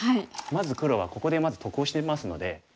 まず黒はここで得をしてますので。